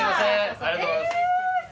ありがとうございます。